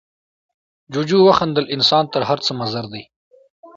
جوجو وخندل، انسان تر هر څه مضر دی.